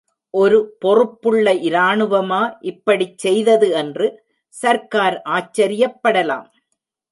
ஒரு பொறுப்புள்ள இராணுவமா இப்படிச் செய்தது என்று சர்க்கார் ஆச்சரியப்படலாம்.